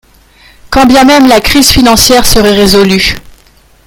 Quand bien même la crise financière serait résolue.